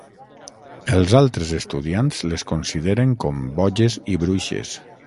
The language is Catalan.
Els altres estudiants les consideren com boges i bruixes.